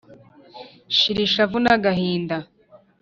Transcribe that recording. shira ishavu n’agahinda